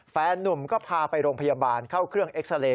แฟนนุ่มก็พาไปโรงพยาบาลเข้าเครื่องเอ็กซาเรย